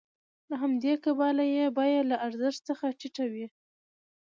له همدې کبله یې بیه له ارزښت څخه ټیټه وي